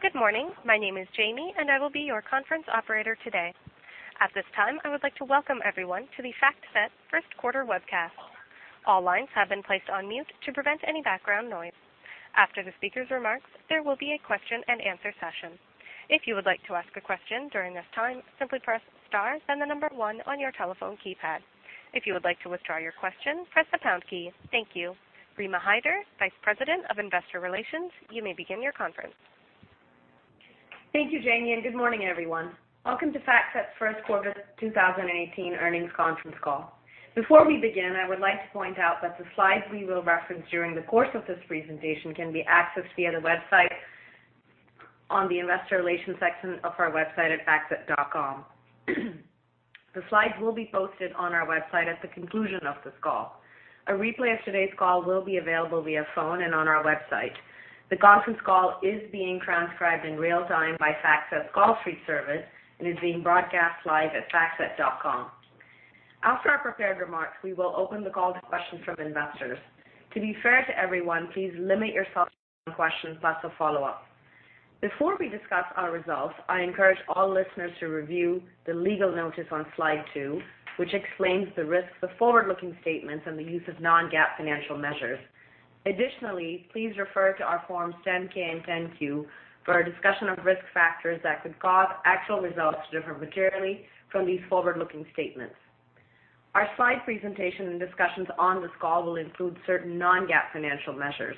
Good morning. My name is Jamie, and I will be your conference operator today. At this time, I would like to welcome everyone to the FactSet First Quarter Webcast. All lines have been placed on mute to prevent any background noise. After the speaker's remarks, there will be a question and answer session. If you would like to ask a question during this time, simply press star, then the number one on your telephone keypad. If you would like to withdraw your question, press the pound key. Thank you. Rima Hyder, Vice President of Investor Relations, you may begin your conference. Thank you, Jamie, and good morning, everyone. Welcome to FactSet's first quarter 2018 earnings conference call. Before we begin, I would like to point out that the slides we will reference during the course of this presentation can be accessed via the website on the investor relations section of our website at factset.com. The slides will be posted on our website at the conclusion of this call. A replay of today's call will be available via phone and on our website. The conference call is being transcribed in real time by FactSet's CallStreet service and is being broadcast live at factset.com. After our prepared remarks, we will open the call to questions from investors. To be fair to everyone, please limit yourself to one question, plus a follow-up. Before we discuss our results, I encourage all listeners to review the legal notice on slide two, which explains the risks of forward-looking statements and the use of non-GAAP financial measures. Additionally, please refer to our forms 10-K and 10-Q for our discussion of risk factors that could cause actual results to differ materially from these forward-looking statements. Our slide presentation and discussions on this call will include certain non-GAAP financial measures.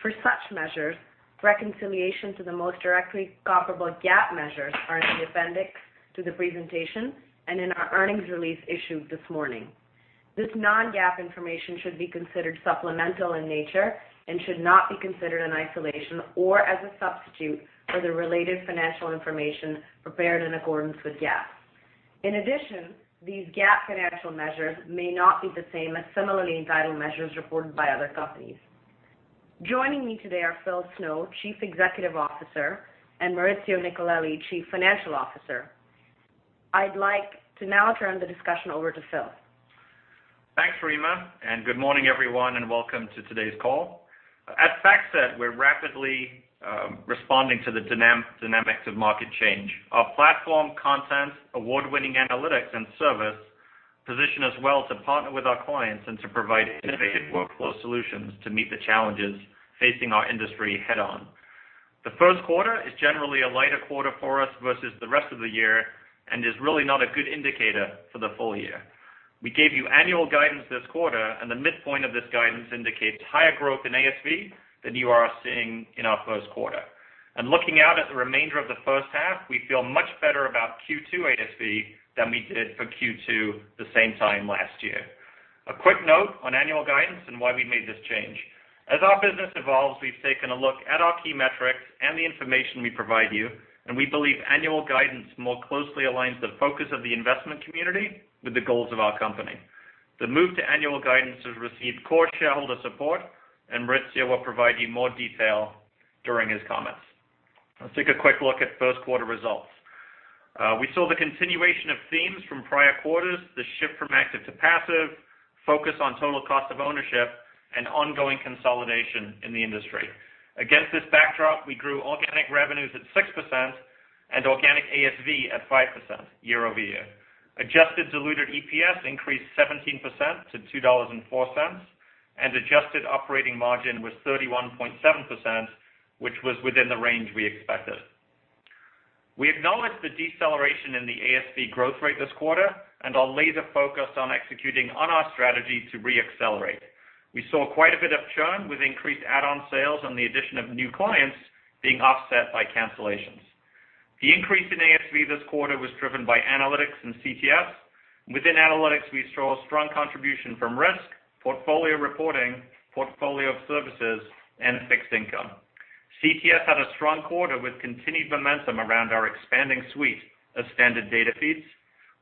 For such measures, reconciliation to the most directly comparable GAAP measures are in the appendix to the presentation and in our earnings release issued this morning. This non-GAAP information should be considered supplemental in nature and should not be considered in isolation or as a substitute for the related financial information prepared in accordance with GAAP. In addition, these GAAP financial measures may not be the same as similarly entitled measures reported by other companies. Joining me today are Phil Snow, Chief Executive Officer, and Maurizio Nicolelli, Chief Financial Officer. I'd like to now turn the discussion over to Phil. Thanks, Rima. Good morning, everyone, and welcome to today's call. At FactSet, we are rapidly responding to the dynamics of market change. Our platform content, award-winning analytics, and service position us well to partner with our clients and to provide innovative workflow solutions to meet the challenges facing our industry head-on. The first quarter is generally a lighter quarter for us versus the rest of the year and is really not a good indicator for the full year. We gave you annual guidance this quarter. The midpoint of this guidance indicates higher growth in ASV than you are seeing in our first quarter. Looking out at the remainder of the first half, we feel much better about Q2 ASV than we did for Q2 the same time last year. A quick note on annual guidance and why we made this change. As our business evolves, we have taken a look at our key metrics and the information we provide you. We believe annual guidance more closely aligns the focus of the investment community with the goals of our company. The move to annual guidance has received core shareholder support. Maurizio will provide you more detail during his comments. Let's take a quick look at first quarter results. We saw the continuation of themes from prior quarters, the shift from active to passive, focus on total cost of ownership, and ongoing consolidation in the industry. Against this backdrop, we grew organic revenues at 6% and organic ASV at 5% year-over-year. Adjusted diluted EPS increased 17% to $2.04. Adjusted operating margin was 31.7%, which was within the range we expected. We acknowledge the deceleration in the ASV growth rate this quarter. Our laser focus on executing on our strategy to re-accelerate. We saw quite a bit of churn with increased add-on sales and the addition of new clients being offset by cancellations. The increase in ASV this quarter was driven by analytics and CTS. Within analytics, we saw a strong contribution from risk, portfolio reporting, portfolio services, and fixed income. CTS had a strong quarter with continued momentum around our expanding suite of standard data feeds.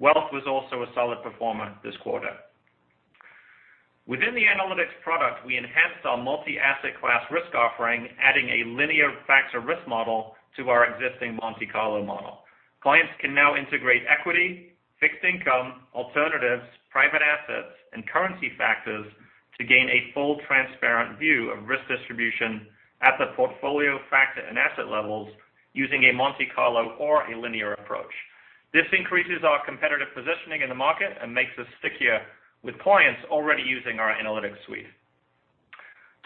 Wealth was also a solid performer this quarter. Within the analytics product, we enhanced our multi-asset class risk offering, adding a linear factor risk model to our existing Monte Carlo model. Clients can now integrate equity, fixed income, alternatives, private assets, and currency factors to gain a full, transparent view of risk distribution at the portfolio factor and asset levels using a Monte Carlo or a linear approach. This increases our competitive positioning in the market. Makes us stickier with clients already using our analytics suite.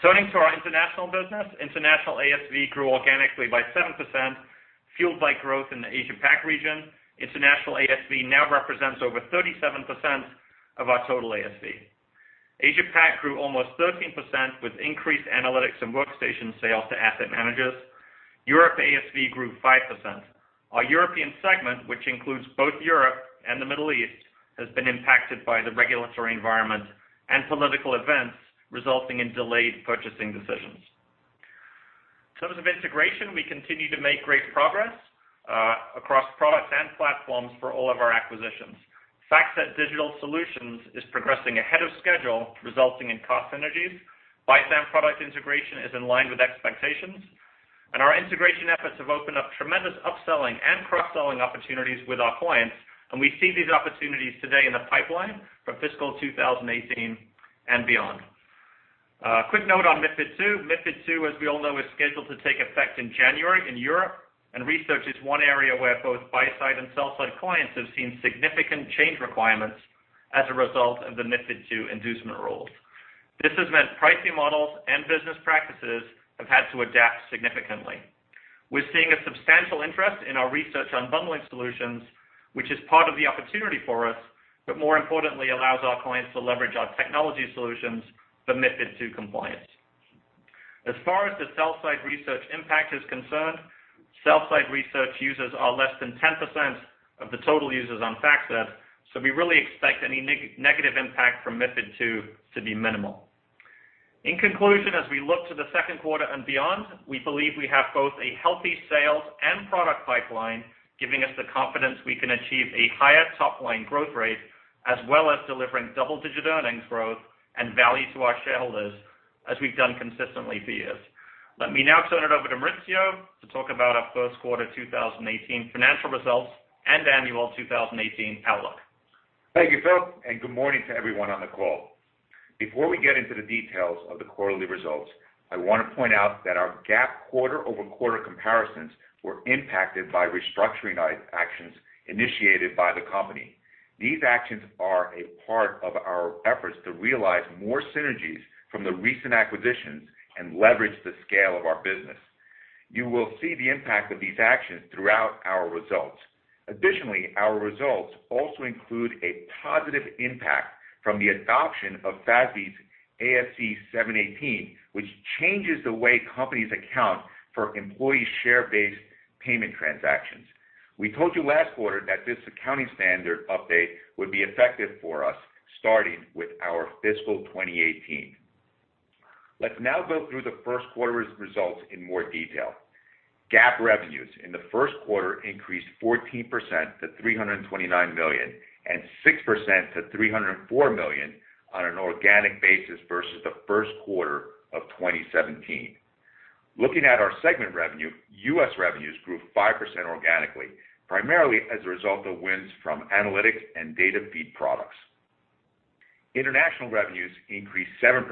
Turning to our international business, international ASV grew organically by 7%, fueled by growth in the Asia Pac region. International ASV now represents over 37% of our total ASV. Asia Pac grew almost 13% with increased analytics and workstation sales to asset managers. Europe ASV grew 5%. Our European segment, which includes both Europe and the Middle East, has been impacted by the regulatory environment and political events, resulting in delayed purchasing decisions. In terms of integration, we continue to make great progress across products and platforms for all of our acquisitions. FactSet Digital Solutions is progressing ahead of schedule, resulting in cost synergies. BISAM product integration is in line with expectations, and our integration efforts have opened up tremendous upselling and cross-selling opportunities with our clients, and we see these opportunities today in the pipeline for fiscal 2018 and beyond. A quick note on MiFID II. MiFID II, as we all know, is scheduled to take effect in January in Europe, research is one area where both buy-side and sell-side clients have seen significant change requirements as a result of the MiFID II inducement rules. This has meant pricing models and business practices have had to adapt significantly. We're seeing a substantial interest in our research unbundling solutions, which is part of the opportunity for us, but more importantly, allows our clients to leverage our technology solutions for MiFID II compliance. As far as the sell-side research impact is concerned, sell-side research users are less than 10% of the total users on FactSet, so we really expect any negative impact from MiFID II to be minimal. In conclusion, as we look to the second quarter and beyond, we believe we have both a healthy sales and product pipeline, giving us the confidence we can achieve a higher top-line growth rate as well as delivering double-digit earnings growth and value to our shareholders as we've done consistently for years. Let me now turn it over to Maurizio to talk about our first quarter 2018 financial results and annual 2018 outlook. Thank you, Philip, and good morning to everyone on the call. Before we get into the details of the quarterly results, I want to point out that our GAAP quarter-over-quarter comparisons were impacted by restructuring actions initiated by the company. These actions are a part of our efforts to realize more synergies from the recent acquisitions and leverage the scale of our business. You will see the impact of these actions throughout our results. Additionally, our results also include a positive impact from the adoption of FASB's ASC 718, which changes the way companies account for employee share-based payment transactions. We told you last quarter that this accounting standard update would be effective for us starting with our fiscal 2018. Let's now go through the first quarter's results in more detail. GAAP revenues in the first quarter increased 14% to $329 million and 6% to $304 million on an organic basis versus the first quarter of 2017. Looking at our segment revenue, U.S. revenues grew 5% organically, primarily as a result of wins from analytics and data feed products. International revenues increased 7%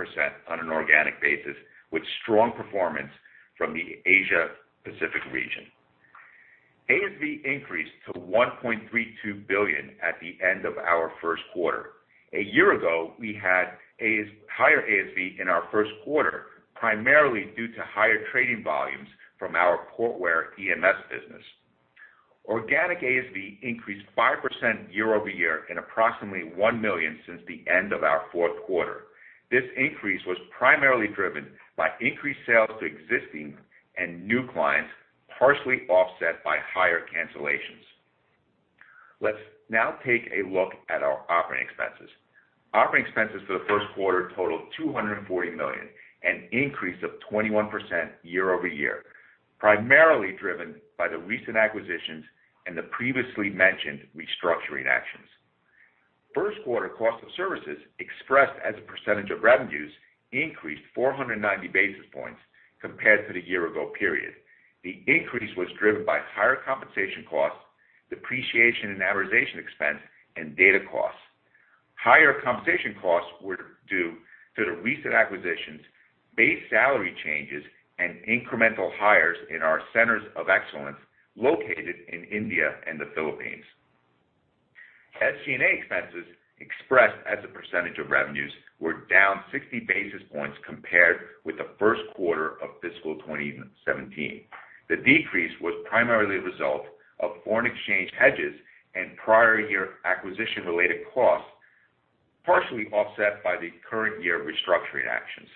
on an organic basis, with strong performance from the Asia-Pacific region. ASV increased to $1.32 billion at the end of our first quarter. A year ago, we had higher ASV in our first quarter, primarily due to higher trading volumes from our Portware EMS business. Organic ASV increased 5% year-over-year and approximately $1 million since the end of our fourth quarter. This increase was primarily driven by increased sales to existing and new clients, partially offset by higher cancellations. Let's now take a look at our operating expenses. Operating expenses for the first quarter totaled $240 million, an increase of 21% year-over-year, primarily driven by the recent acquisitions and the previously mentioned restructuring actions. First quarter cost of services expressed as a percentage of revenues increased 490 basis points compared to the year ago period. The increase was driven by higher compensation costs, depreciation and amortization expense, and data costs. Higher compensation costs were due to the recent acquisitions, base salary changes, and incremental hires in our centers of excellence located in India and the Philippines. SG&A expenses expressed as a percentage of revenues were down 60 basis points compared with the first quarter of fiscal 2017. The decrease was primarily a result of foreign exchange hedges and prior year acquisition-related costs, partially offset by the current year restructuring actions.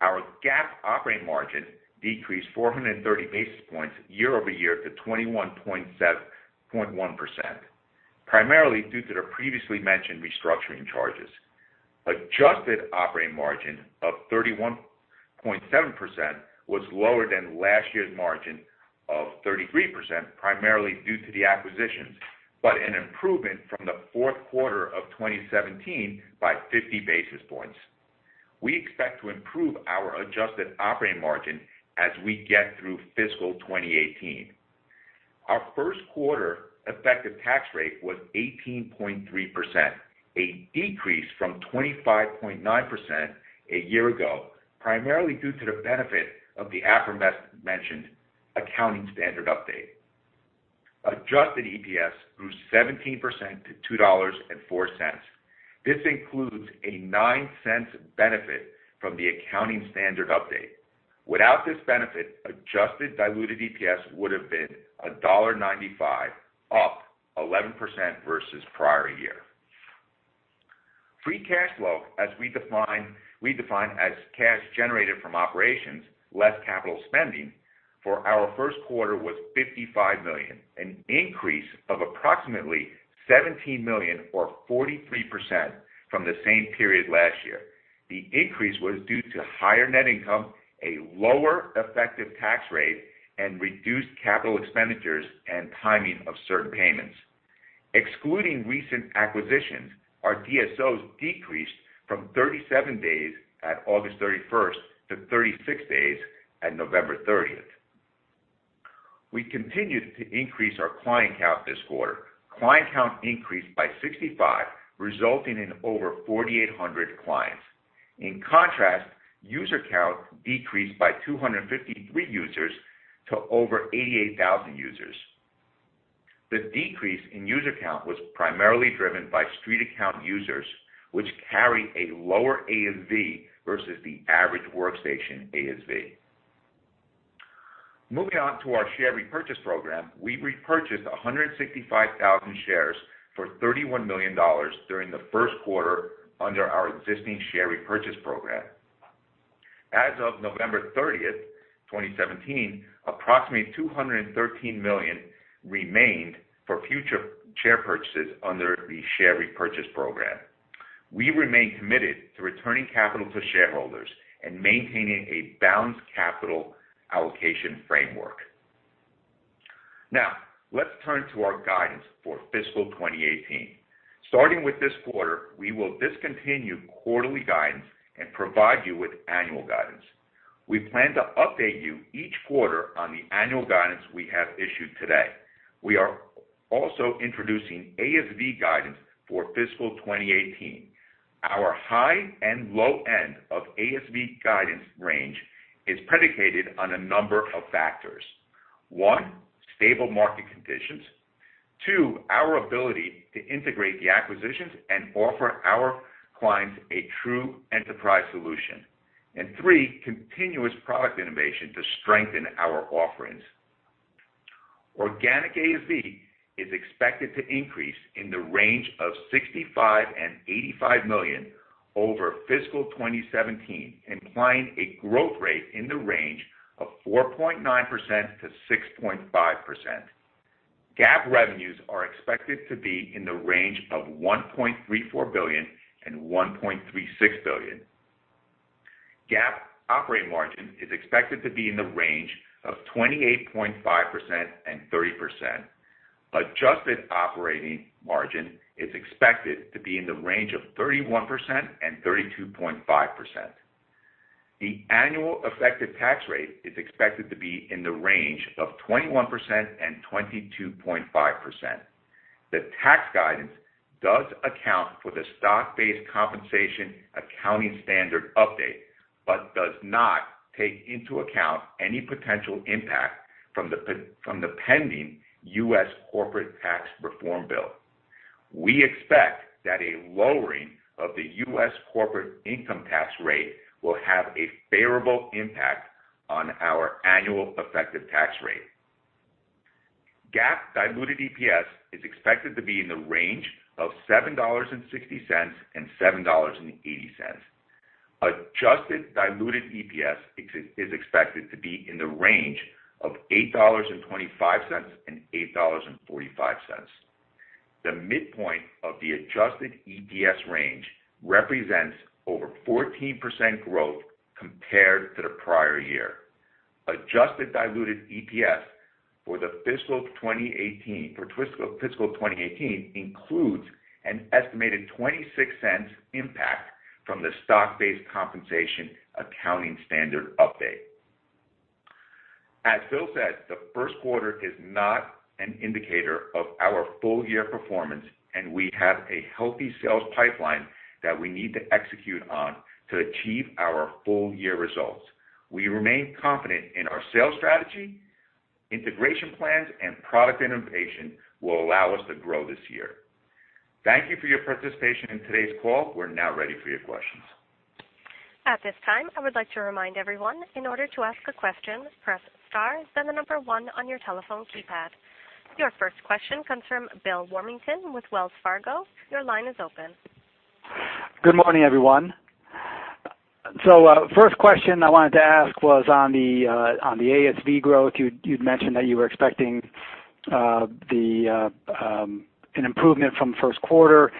Our GAAP operating margin decreased 430 basis points year-over-year to 21.1%, primarily due to the previously mentioned restructuring charges. Adjusted operating margin of 31.7% was lower than last year's margin of 33%, primarily due to the acquisitions, but an improvement from the fourth quarter of 2017 by 50 basis points. We expect to improve our adjusted operating margin as we get through fiscal 2018. Our first quarter effective tax rate was 18.3%, a decrease from 25.9% a year ago, primarily due to the benefit of the aforementioned accounting standard update. Adjusted EPS grew 17% to $2.04. This includes a $0.09 benefit from the accounting standard update. Without this benefit, adjusted diluted EPS would have been $1.95, up 11% versus prior year. Free cash flow, we define as cash generated from operations less capital spending, for our first quarter was $55 million, an increase of approximately $17 million or 43% from the same period last year. The increase was due to higher net income, a lower effective tax rate, and reduced capital expenditures and timing of certain payments. Excluding recent acquisitions, our DSOs decreased from 37 days at August 31st to 36 days at November 30th. We continued to increase our client count this quarter. Client count increased by 65, resulting in over 4,800 clients. In contrast, user count decreased by 253 users to over 88,000 users. The decrease in user count was primarily driven by StreetAccount users, which carry a lower ASV versus the average Workstation ASV. Moving on to our share repurchase program. We repurchased 165,000 shares for $31 million during the first quarter under our existing share repurchase program. As of November 30th, 2017, approximately $213 million remained for future share purchases under the share repurchase program. We remain committed to returning capital to shareholders and maintaining a balanced capital allocation framework. Now, let's turn to our guidance for fiscal 2018. Starting with this quarter, we will discontinue quarterly guidance and provide you with annual guidance. We plan to update you each quarter on the annual guidance we have issued today. We are also introducing ASV guidance for fiscal 2018. Our high and low end of ASV guidance range is predicated on a number of factors. One, stable market conditions. Two, our ability to integrate the acquisitions and offer our clients a true enterprise solution. Three, continuous product innovation to strengthen our offerings. Organic ASV is expected to increase in the range of $65 million-$85 million over fiscal 2017, implying a growth rate in the range of 4.9%-6.5%. GAAP revenues are expected to be in the range of $1.34 billion-$1.36 billion. GAAP operating margin is expected to be in the range of 28.5%-30%. Adjusted operating margin is expected to be in the range of 31%-32.5%. The annual effective tax rate is expected to be in the range of 21%-22.5%. The tax guidance does account for the stock-based compensation accounting standard update but does not take into account any potential impact from the pending U.S. corporate tax reform bill. We expect that a lowering of the U.S. corporate income tax rate will have a favorable impact on our annual effective tax rate. GAAP diluted EPS is expected to be in the range of $7.60-$7.80. Adjusted diluted EPS is expected to be in the range of $8.25-$8.45. The midpoint of the adjusted EPS range represents over 14% growth compared to the prior year. Adjusted diluted EPS for the fiscal 2018 includes an estimated $0.26 impact from the stock-based compensation accounting standard update. As Phil said, the first quarter is not an indicator of our full year performance, and we have a healthy sales pipeline that we need to execute on to achieve our full-year results. We remain confident in our sales strategy, integration plans, and product innovation will allow us to grow this year. Thank you for your participation in today's call. We're now ready for your questions. At this time, I would like to remind everyone, in order to ask a question, press star then the number one on your telephone keypad. Your first question comes from Bill Warmington with Wells Fargo. Your line is open. Good morning, everyone. First question I wanted to ask was on the ASV growth. You'd mentioned that you were expecting an improvement from first quarter.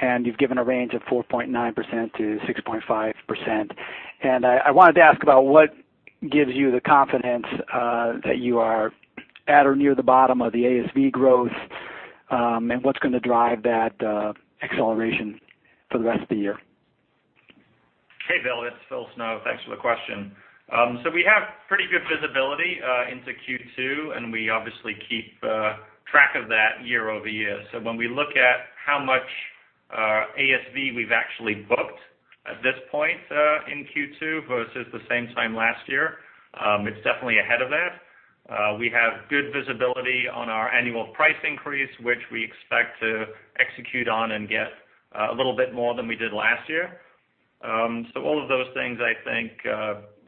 You've given a range of 4.9%-6.5%. I wanted to ask about what gives you the confidence that you are at or near the bottom of the ASV growth, and what's going to drive that acceleration for the rest of the year? Hey, Bill. It's Philip Snow. Thanks for the question. We have pretty good visibility into Q2, and we obviously keep track of that year-over-year. When we look at how much ASV we've actually booked at this point in Q2 versus the same time last year, it's definitely ahead of that. We have good visibility on our annual price increase, which we expect to execute on and get a little bit more than we did last year. All of those things, I think,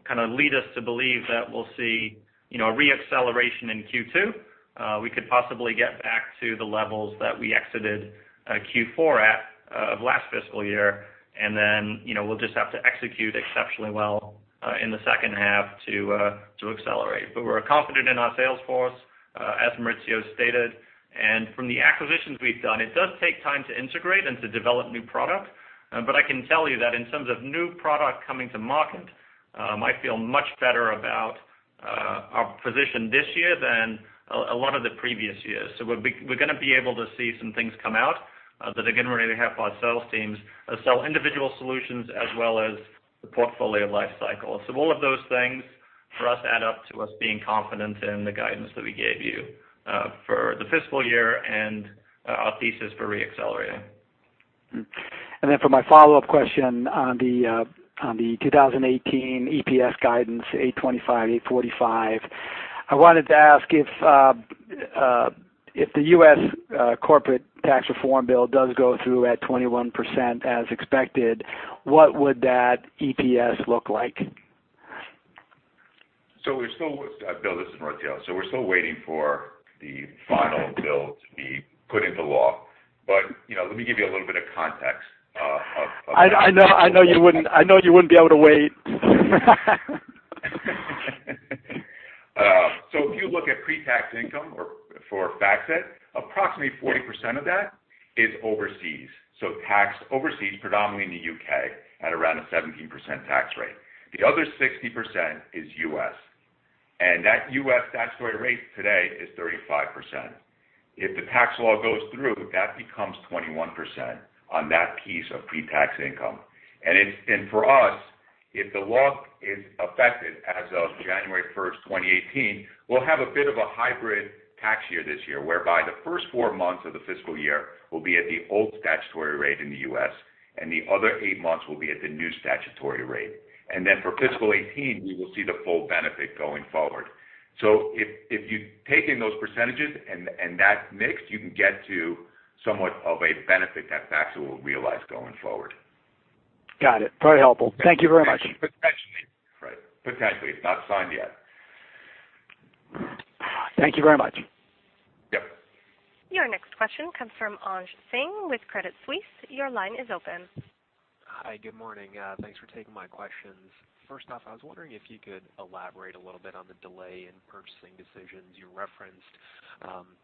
kind of lead us to believe that we'll see a re-acceleration in Q2. We could possibly get back to the levels that we exited Q4 at of last fiscal year, we'll just have to execute exceptionally well in the second half to accelerate. We're confident in our sales force, as Maurizio stated. From the acquisitions we've done, it does take time to integrate and to develop new product. I can tell you that in terms of new product coming to market, I feel much better about our position this year than a lot of the previous years. We're going to be able to see some things come out that, again, we're going to have our sales teams sell individual solutions as well as the portfolio life cycle. All of those things for us add up to us being confident in the guidance that we gave you for the fiscal year and our thesis for re-accelerating. For my follow-up question on the 2018 EPS guidance, $8.25, $8.45. I wanted to ask if the U.S. corporate tax reform bill does go through at 21% as expected, what would that EPS look like? Bill, this is Maurizio. We're still waiting for the final bill to be put into law. Let me give you a little bit of context of- I know you wouldn't be able to wait. If you look at pre-tax income for FactSet, approximately 40% of that is overseas. Taxed overseas, predominantly in the U.K., at around a 17% tax rate. The other 60% is U.S. That U.S. statutory rate today is 35%. If the tax law goes through, that becomes 21% on that piece of pre-tax income. For us, if the law is effective as of January 1st, 2018, we'll have a bit of a hybrid tax year this year, whereby the first four months of the fiscal year will be at the old statutory rate in the U.S., and the other eight months will be at the new statutory rate. For fiscal 2018, we will see the full benefit going forward. If you take in those percentages and that mix, you can get to somewhat of a benefit that FactSet will realize going forward. Got it. Very helpful. Thank you very much. Potentially. Right. Potentially. It's not signed yet. Thank you very much. Yep. Your next question comes from Ashish Sabadra with Credit Suisse. Your line is open. Hi. Good morning. Thanks for taking my questions. First off, I was wondering if you could elaborate a little bit on the delay in purchasing decisions you referenced.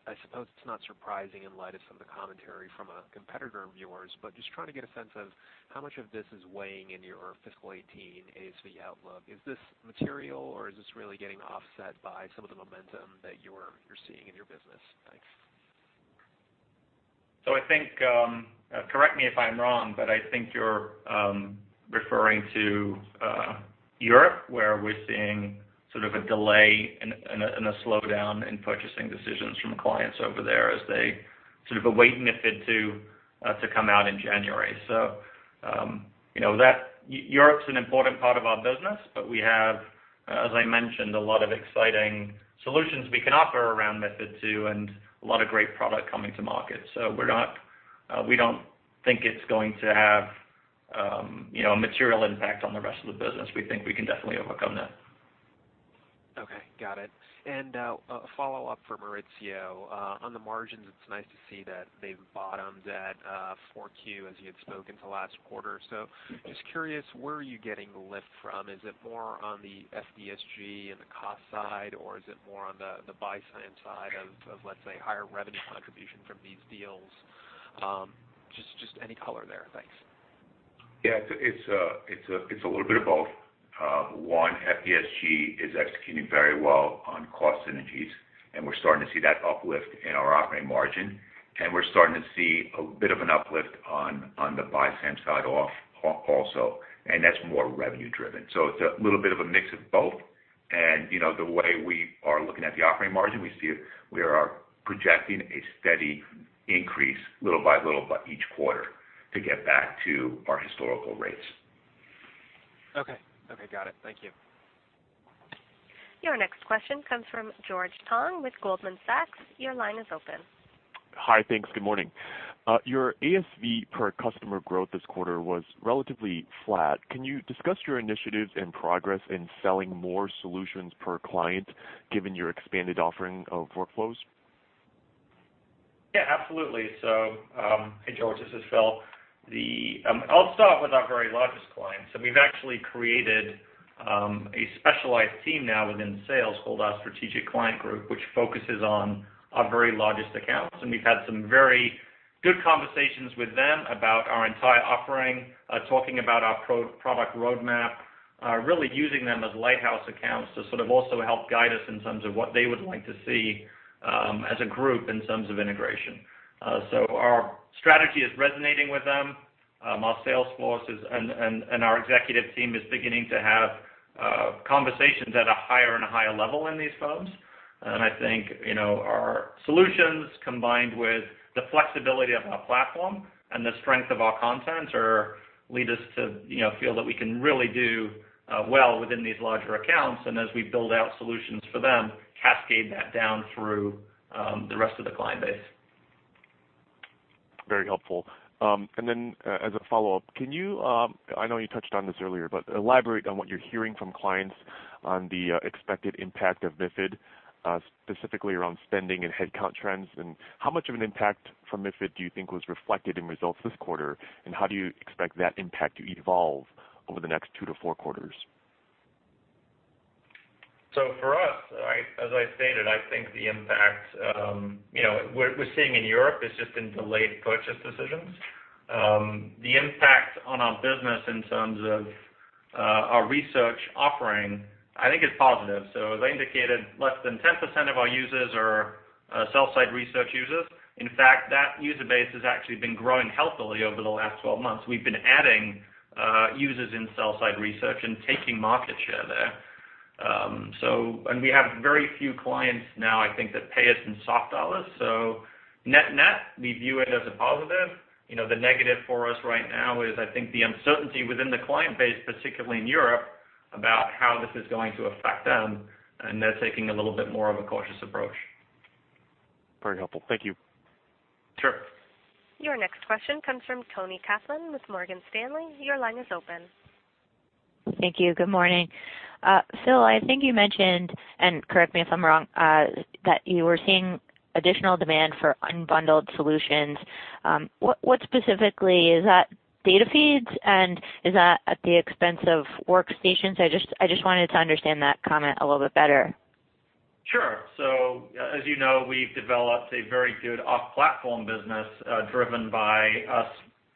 I suppose it's not surprising in light of some of the commentary from a competitor of yours, just trying to get a sense of how much of this is weighing in your fiscal 2018 ASV outlook. Is this material, or is this really getting offset by some of the momentum that you're seeing in your business? Thanks. I think, correct me if I'm wrong, I think you're referring to Europe, where we're seeing sort of a delay and a slowdown in purchasing decisions from clients over there as they sort of await MiFID II to come out in January. Europe's an important part of our business, we have, as I mentioned, a lot of exciting solutions we can offer around MiFID II and a lot of great product coming to market. We don't think it's going to have a material impact on the rest of the business. We think we can definitely overcome that. Okay. Got it. A follow-up for Maurizio. On the margins, it's nice to see that they've bottomed at 4Q as you had spoken to last quarter. Just curious, where are you getting the lift from? Is it more on the FDSG and the cost side, or is it more on the buy-side of, let's say, higher revenue contribution from these deals? Just any color there. Thanks. Yeah. It's a little bit of both. One, FDSG is executing very well on cost synergies, we're starting to see that uplift in our operating margin, we're starting to see a bit of an uplift on the buy-side also, that's more revenue driven. It's a little bit of a mix of both. The way we are looking at the operating margin, we are projecting a steady increase little by little by each quarter to get back to our historical rates. Okay. Got it. Thank you. Your next question comes from George Tong with Goldman Sachs. Your line is open. Hi. Thanks. Good morning. Your ASV per customer growth this quarter was relatively flat. Can you discuss your initiatives and progress in selling more solutions per client given your expanded offering of workflows? Yeah, absolutely. Hey, George, this is Phil. I'll start with our very largest clients. We've actually created a specialized team now within sales called our strategic client group, which focuses on our very largest accounts. We've had some very good conversations with them about our entire offering, talking about our product roadmap, really using them as lighthouse accounts to sort of also help guide us in terms of what they would like to see as a group in terms of integration. Our strategy is resonating with them. Our sales force and our executive team is beginning to have conversations at a higher and higher level in these firms. I think our solutions combined with the flexibility of our platform and the strength of our content lead us to feel that we can really do well within these larger accounts, and as we build out solutions for them, cascade that down through the rest of the client base. Very helpful. Then as a follow-up, I know you touched on this earlier, but elaborate on what you're hearing from clients on the expected impact of MiFID II, specifically around spending and headcount trends, and how much of an impact from MiFID II do you think was reflected in results this quarter, and how do you expect that impact to evolve over the next two to four quarters? For us, as I stated, I think the impact, what we're seeing in Europe is just in delayed purchase decisions. The impact on our business in terms of our research offering, I think is positive. As I indicated, less than 10% of our users are sell-side research users. In fact, that user base has actually been growing healthily over the last 12 months. We've been adding users in sell-side research and taking market share there. We have very few clients now, I think, that pay us in soft dollars. Net-net, we view it as a positive. The negative for us right now is, I think the uncertainty within the client base, particularly in Europe, about how this is going to affect them, and they're taking a little bit more of a cautious approach. Very helpful. Thank you. Sure. Your next question comes from Toni Kaplan with Morgan Stanley. Your line is open. Thank you. Good morning. Phil, I think you mentioned, and correct me if I'm wrong, that you were seeing additional demand for unbundled solutions. What specifically, is that data feeds, and is that at the expense of workstations? I just wanted to understand that comment a little bit better. Sure. As you know, we've developed a very good off-platform business driven by us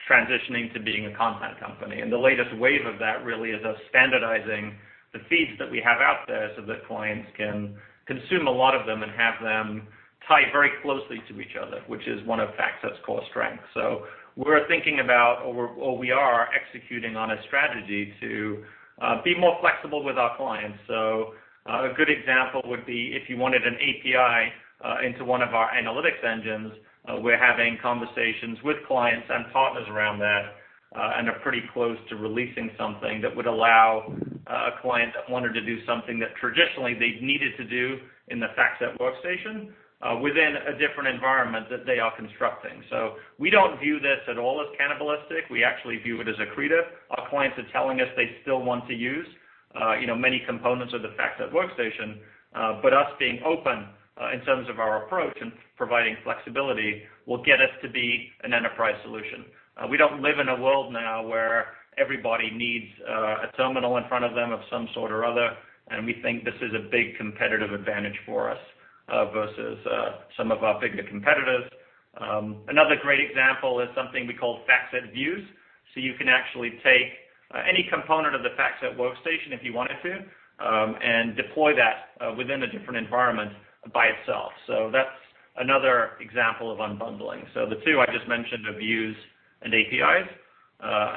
transitioning to being a content company. The latest wave of that really is us standardizing the feeds that we have out there so that clients can consume a lot of them and have them tied very closely to each other, which is one of FactSet's core strengths. We're thinking about, or we are executing on a strategy to be more flexible with our clients. A good example would be if you wanted an API into one of our analytics engines, we're having conversations with clients and partners around that, and are pretty close to releasing something that would allow a client that wanted to do something that traditionally they'd needed to do in the FactSet workstation, within a different environment that they are constructing. We don't view this at all as cannibalistic. We actually view it as accretive. Our clients are telling us they still want to use many components of the FactSet workstation. Us being open in terms of our approach and providing flexibility will get us to be an enterprise solution. We don't live in a world now where everybody needs a terminal in front of them of some sort or other. We think this is a big competitive advantage for us versus some of our bigger competitors. Another great example is something we call FactSet Views. You can actually take any component of the FactSet workstation if you wanted to, and deploy that within a different environment by itself. That's another example of unbundling. The two I just mentioned are views and APIs.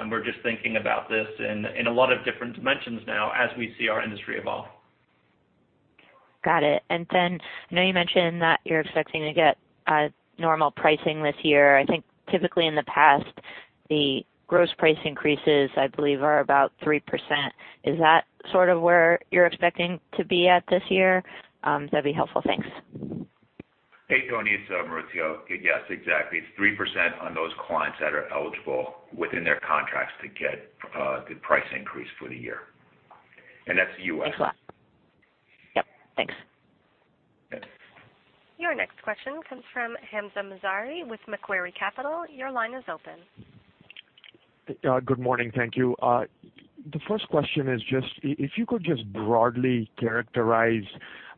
We're just thinking about this in a lot of different dimensions now as we see our industry evolve. I know you mentioned that you're expecting to get normal pricing this year. I think typically in the past, the gross price increases, I believe, are about 3%. Is that sort of where you're expecting to be at this year? That'd be helpful. Thanks. Hey, Toni, it's Maurizio. Yes, exactly. It's 3% on those clients that are eligible within their contracts to get a good price increase for the year. That's the U.S. Thanks a lot. Yep, thanks. Yeah. Your next question comes from Hamzah Mazari with Macquarie Capital. Your line is open. Good morning. Thank you. The first question is, if you could broadly characterize the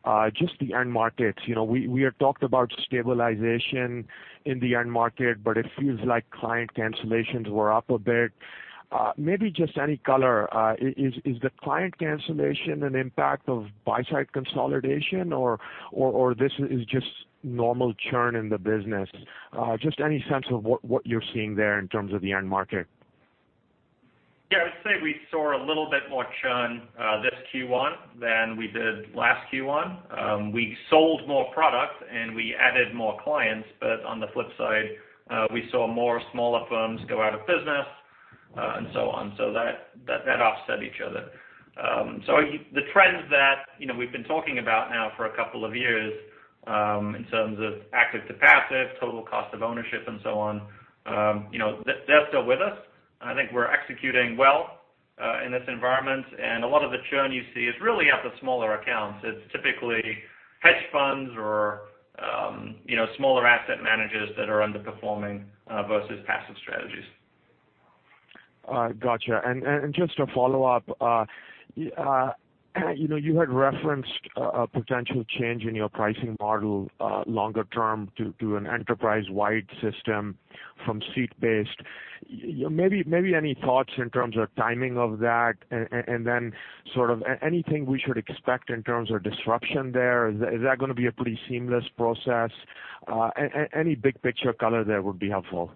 end markets. We had talked about stabilization in the end market, it feels like client cancellations were up a bit. Any color, is the client cancellation an impact of buy-side consolidation, or this is just normal churn in the business? Any sense of what you're seeing there in terms of the end market. Yeah. I'd say we saw a little bit more churn this Q1 than we did last Q1. We sold more product and we added more clients. On the flip side, we saw more smaller firms go out of business, and so on. That offset each other. The trends that we've been talking about now for a couple of years, in terms of active to passive, total cost of ownership and so on, they're still with us. I think we're executing well in this environment. A lot of the churn you see is really at the smaller accounts. It's typically hedge funds or smaller asset managers that are underperforming versus passive strategies. Got you. To follow up, you had referenced a potential change in your pricing model longer term to an enterprise-wide system from seat-based. Any thoughts in terms of timing of that? Anything we should expect in terms of disruption there? Is that going to be a pretty seamless process? Any big-picture color there would be helpful.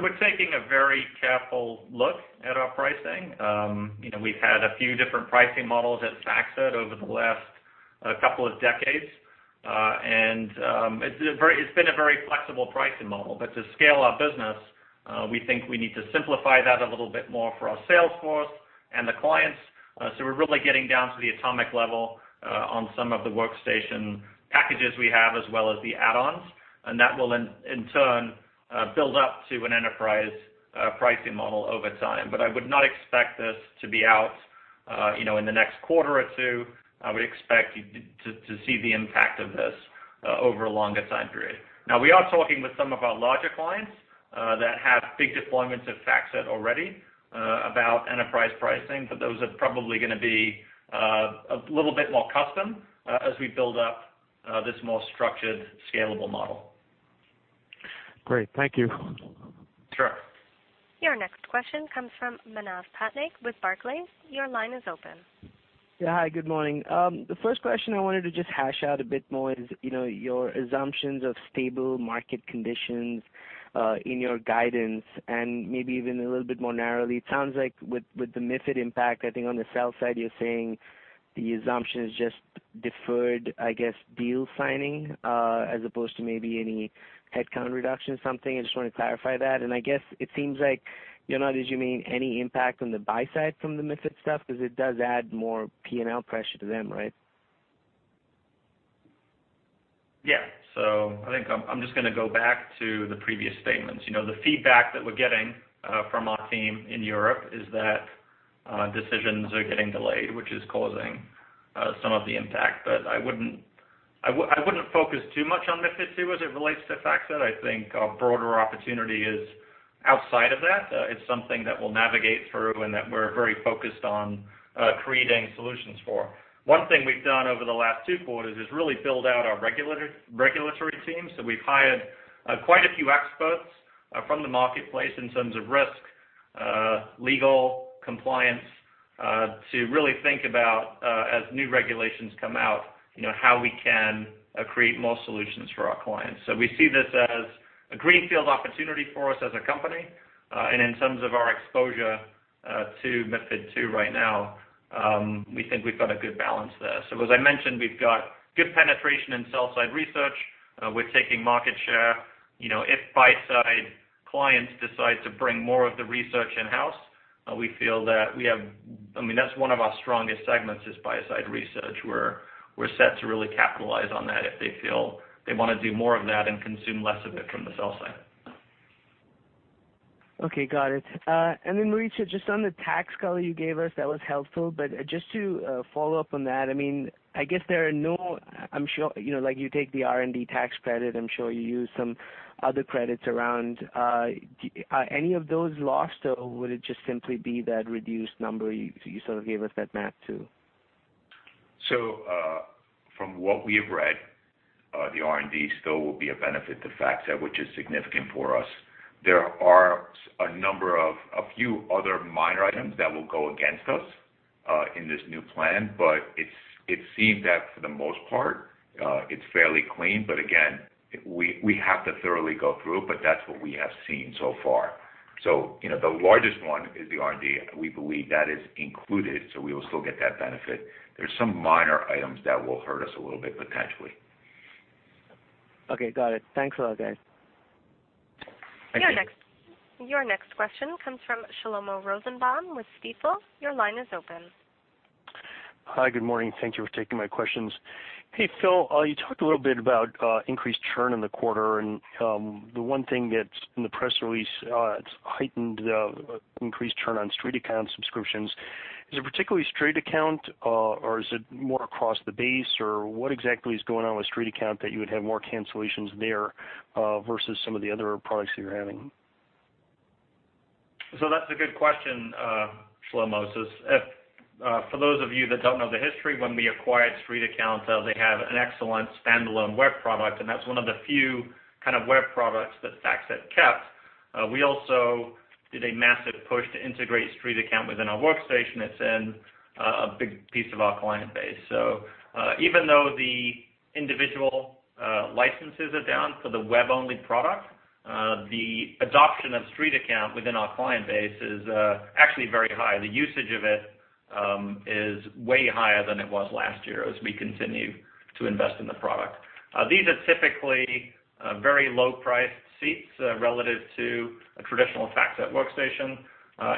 We're taking a very careful look at our pricing. We've had a few different pricing models at FactSet over the last couple of decades. It's been a very flexible pricing model. To scale our business, we think we need to simplify that a little bit more for our sales force and the clients. We're really getting down to the atomic level on some of the workstation packages we have, as well as the add-ons. That will in turn build up to an enterprise pricing model over time. I would not expect this to be out in the next quarter or two. I would expect to see the impact of this over a longer time period. We are talking with some of our larger clients that have big deployments of FactSet already about enterprise pricing, but those are probably going to be a little bit more custom as we build up this more structured, scalable model. Great. Thank you. Sure. Your next question comes from Manav Patnaik with Barclays. Your line is open. Hi, good morning. The first question I wanted to just hash out a bit more is your assumptions of stable market conditions, in your guidance and maybe even a little bit more narrowly. It sounds like with the MiFID impact, I think on the sell side, you're saying the assumption is just deferred, I guess deal signing, as opposed to maybe any headcount reduction or something. I just want to clarify that. I guess it seems like you're not assuming any impact on the buy side from the MiFID stuff because it does add more P&L pressure to them, right? I think I'm just going to go back to the previous statements. The feedback that we're getting from our team in Europe is that decisions are getting delayed, which is causing some of the impact. I wouldn't focus too much on MiFID II as it relates to FactSet. I think our broader opportunity is outside of that. It's something that we'll navigate through and that we're very focused on creating solutions for. One thing we've done over the last 2 quarters is really build out our regulatory team. We've hired quite a few experts from the marketplace in terms of risk, legal, compliance, to really think about, as new regulations come out, how we can create more solutions for our clients. We see this as a greenfield opportunity for us as a company. In terms of our exposure to MiFID II right now, we think we've got a good balance there. As I mentioned, we've got good penetration in sell-side research. We're taking market share. If buy-side clients decide to bring more of the research in-house, we feel that's one of our strongest segments is buy-side research, where we're set to really capitalize on that if they feel they want to do more of that and consume less of it from the sell side. Okay, got it. Then, Maurizio, just on the tax call you gave us, that was helpful. Just to follow up on that, I guess there are no. Like you take the R&D tax credit. I'm sure you use some other credits around. Are any of those lost, or would it just simply be that reduced number you sort of gave us that math to? From what we have read, the R&D still will be a benefit to FactSet, which is significant for us. There are a number of a few other minor items that will go against us, in this new plan, it seemed that for the most part, it's fairly clean. Again, we have to thoroughly go through it, but that's what we have seen so far. The largest one is the R&D. We believe that is included, so we will still get that benefit. There's some minor items that will hurt us a little bit, potentially. Okay. Got it. Thanks a lot, guys. Thank you. Your next question comes from Shlomo Rosenbaum with Stifel. Your line is open. Hi, good morning. Thank you for taking my questions. Hey, Phil, you talked a little bit about increased churn in the quarter. The one thing that's in the press release, it's heightened increased churn on StreetAccount subscriptions. Is it particularly StreetAccount or is it more across the base, or what exactly is going on with StreetAccount that you would have more cancellations there, versus some of the other products that you're having? That's a good question, Shlomo. For those of you that don't know the history, when we acquired StreetAccount, they have an excellent standalone web product, and that's one of the few kind of web products that FactSet kept. We also did a massive push to integrate StreetAccount within our workstation. It's in a big piece of our client base. Even though the individual licenses are down for the web-only product, the adoption of StreetAccount within our client base is actually very high. The usage of it is way higher than it was last year as we continue to invest in the product. These are typically very low-priced seats relative to a traditional FactSet workstation.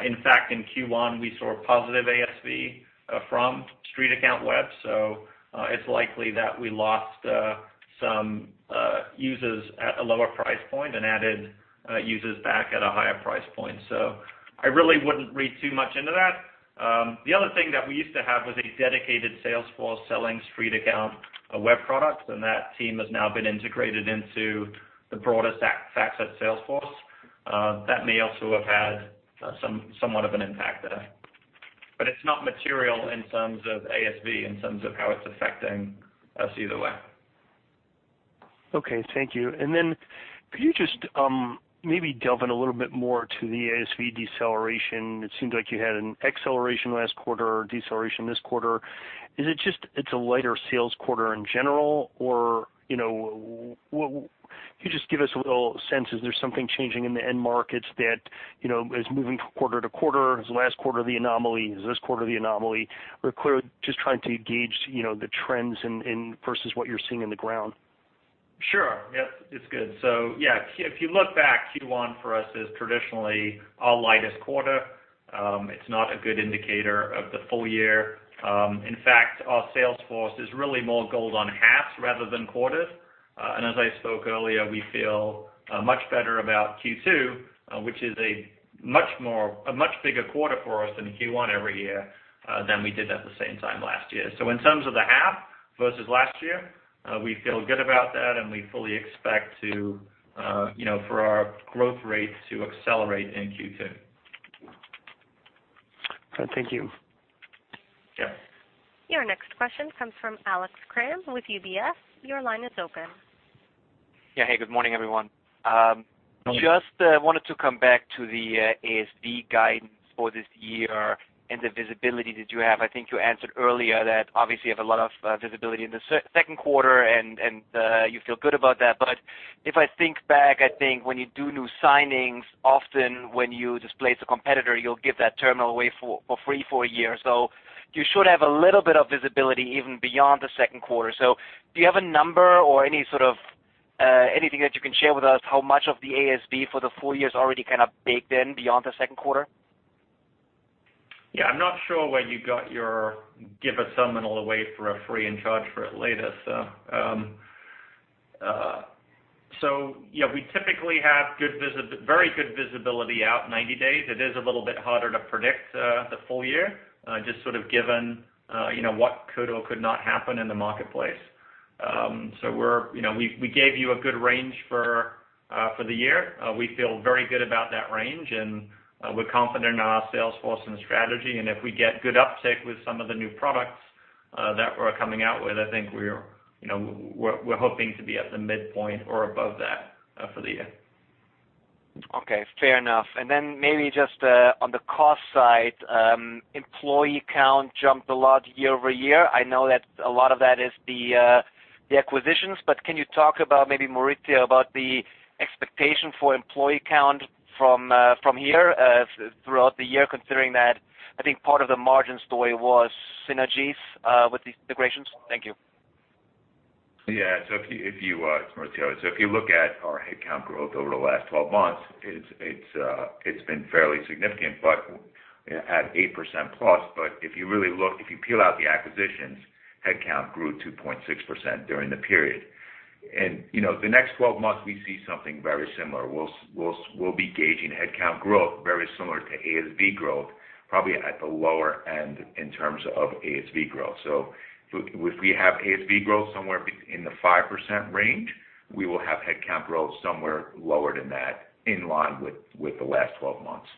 In fact, in Q1, we saw positive ASV from StreetAccount web, so it's likely that we lost some users at a lower price point and added users back at a higher price point. I really wouldn't read too much into that. The other thing that we used to have was a dedicated sales force selling StreetAccount web products, and that team has now been integrated into the broader FactSet sales force. That may also have had somewhat of an impact there. It's not material in terms of ASV, in terms of how it's affecting us either way. Okay, thank you. Could you just maybe delve in a little bit more to the ASV deceleration? It seemed like you had an acceleration last quarter or deceleration this quarter. Is it just it's a lighter sales quarter in general, or could you just give us a little sense, is there something changing in the end markets that is moving quarter-to-quarter? Is the last quarter the anomaly? Is this quarter the anomaly? We're clearly just trying to gauge the trends versus what you're seeing on the ground. Sure. Yep. It's good. If you look back, Q1 for us is traditionally our lightest quarter. It's not a good indicator of the full year. In fact, our sales force is really more gold on halves rather than quarters. As I spoke earlier, we feel much better about Q2, which is a much bigger quarter for us than Q1 every year, than we did at the same time last year. In terms of the half versus last year, we feel good about that, and we fully expect for our growth rate to accelerate in Q2. Thank you. Yeah. Your next question comes from Alex Kramm with UBS. Your line is open. Yeah. Hey, good morning, everyone. Just wanted to come back to the ASV guidance for this year and the visibility that you have. I think you answered earlier that obviously you have a lot of visibility in the second quarter, and you feel good about that. If I think back, I think when you do new signings, often when you displace a competitor, you'll give that terminal away for free for a year. You should have a little bit of visibility even beyond the second quarter. Do you have a number or anything that you can share with us? How much of the ASV for the full year is already kind of baked in beyond the second quarter? Yeah, I'm not sure where you got your give a terminal away for a free and charge for it later. Yeah, we typically have very good visibility out 90 days. It is a little bit harder to predict the full year, just sort of given what could or could not happen in the marketplace. We gave you a good range for the year. We feel very good about that range, and we're confident in our sales force and strategy. If we get good uptake with some of the new products that we're coming out with, I think we're hoping to be at the midpoint or above that for the year. Okay, fair enough. Maybe just on the cost side, employee count jumped a lot year-over-year. I know that a lot of that is the acquisitions, but can you talk about, maybe Maurizio, about the expectation for employee count from here throughout the year, considering that I think part of the margins story was synergies with the integrations? Thank you. Yeah. It's Maurizio. If you look at our headcount growth over the last 12 months, it's been fairly significant, at 8%+. If you really look, if you peel out the acquisitions, headcount grew 2.6% during the period. The next 12 months, we see something very similar. We will be gauging headcount growth very similar to ASV growth, probably at the lower end in terms of ASV growth. If we have ASV growth somewhere in the 5% range, we will have headcount growth somewhere lower than that, in line with the last 12 months.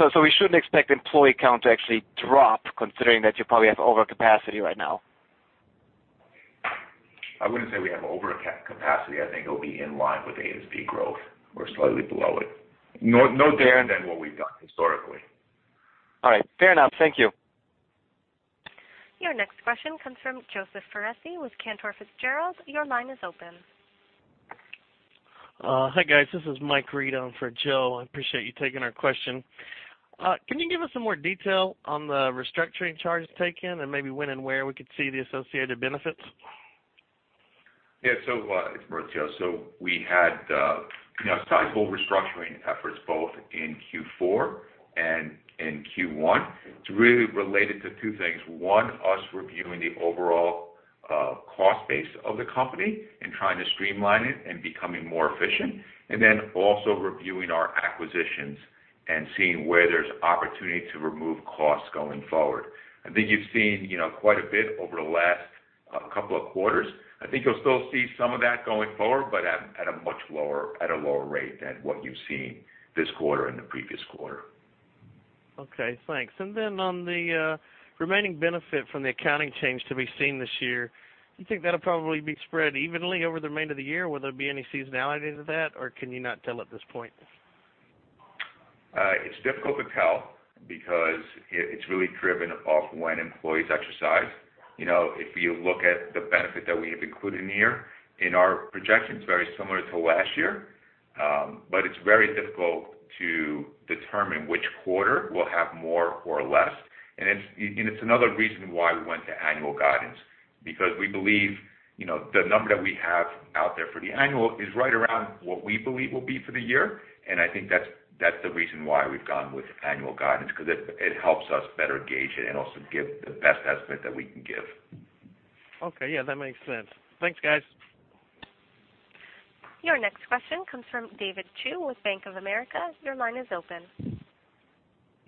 We shouldn't expect employee count to actually drop, considering that you probably have overcapacity right now. I wouldn't say we have overcapacity. I think it'll be in line with ASV growth or slightly below it. No different than what we've done historically. All right, fair enough. Thank you. Your next question comes from Joseph Foresi with Cantor Fitzgerald. Your line is open. Hi, guys. This is Mike Reid for Joe. I appreciate you taking our question. Can you give us some more detail on the restructuring charges taken and maybe when and where we could see the associated benefits? Yeah. It's Maurizio. We had sizable restructuring efforts both in Q4 and in Q1. It's really related to two things. One, us reviewing the overall cost base of the company and trying to streamline it and becoming more efficient, also reviewing our acquisitions and seeing where there's opportunity to remove costs going forward. I think you've seen quite a bit over the last couple of quarters. I think you'll still see some of that going forward, but at a much lower rate than what you've seen this quarter and the previous quarter. Okay, thanks. Then on the remaining benefit from the accounting change to be seen this year, do you think that'll probably be spread evenly over the remainder of the year? Will there be any seasonality to that, or can you not tell at this point? It's difficult to tell because it's really driven off when employees exercise. If you look at the benefit that we have included in the year, in our projections, very similar to last year. It's very difficult to determine which quarter will have more or less. It's another reason why we went to annual guidance, because we believe the number that we have out there for the annual is right around what we believe will be for the year. I think that's the reason why we've gone with annual guidance, because it helps us better gauge it and also give the best estimate that we can give. Okay. Yeah, that makes sense. Thanks, guys. Your next question comes from David Chu with Bank of America. Your line is open.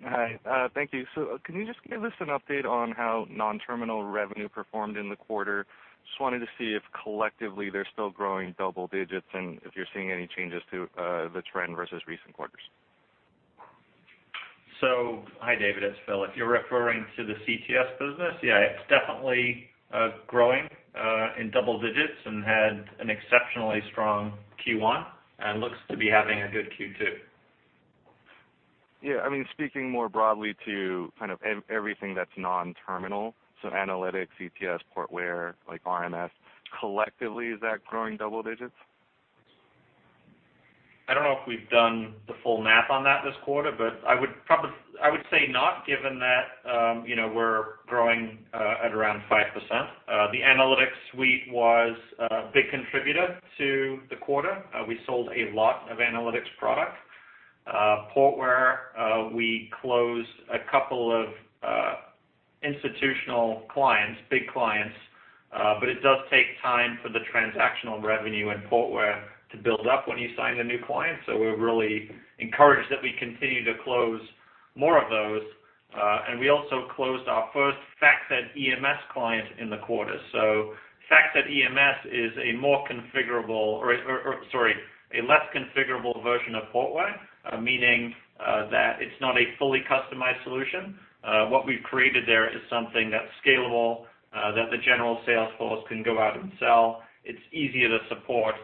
Hi. Thank you. Can you just give us an update on how non-terminal revenue performed in the quarter? Just wanted to see if collectively they're still growing double-digits and if you're seeing any changes to the trend versus recent quarters. Hi, David. It's Phil. If you're referring to the CTS business, yeah, it's definitely growing in double-digits and had an exceptionally strong Q1, and looks to be having a good Q2. Yeah. I mean, speaking more broadly to kind of everything that's non-terminal, analytics, CTS, Portware, like RMF, collectively, is that growing double-digits? I don't know if we've done the full math on that this quarter, but I would say not, given that we're growing at around 5%. The analytics suite was a big contributor to the quarter. We sold a lot of analytics product. Portware, we closed a couple of institutional clients, big clients, but it does take time for the transactional revenue in Portware to build up when you sign a new client. We're really encouraged that we continue to close more of those. We also closed our first FactSet EMS client in the quarter. FactSet EMS is a less configurable version of Portware, meaning that it's not a fully customized solution. What we've created there is something that's scalable, that the general sales force can go out and sell. It's easier to support,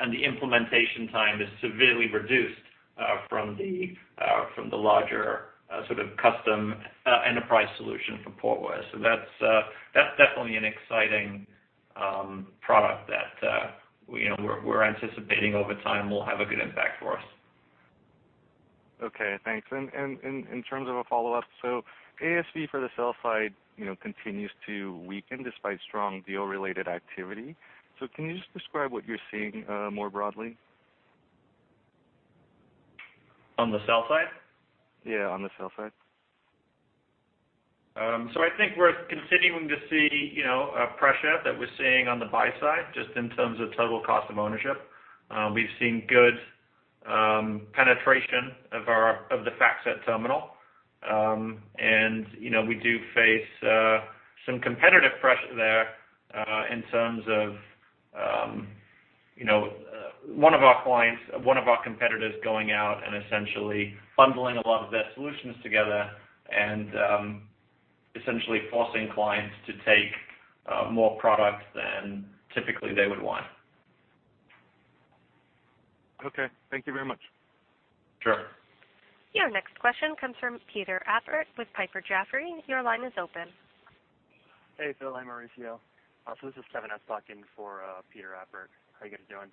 and the implementation time is severely reduced from the larger custom enterprise solution for Portware. That's definitely an exciting product that we're anticipating over time will have a good impact for us. Okay, thanks. In terms of a follow-up, so ASV for the sell side continues to weaken despite strong deal-related activity. Can you just describe what you're seeing more broadly? On the sell side? Yeah, on the sell side. I think we're continuing to see a pressure that we're seeing on the buy side, just in terms of total cost of ownership. We've seen good penetration of the FactSet terminal. We do face some competitive pressure there in terms of one of our competitors going out and essentially bundling a lot of their solutions together and essentially forcing clients to take more product than typically they would want. Okay. Thank you very much. Sure. Your next question comes from Peter Appert with Piper Jaffray. Your line is open. Hey, Phil and Maurizio. This is Kevin S. locking for Peter Appert. How you guys doing?